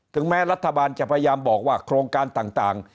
แม้รัฐบาลจะพยายามบอกว่าโครงการต่าง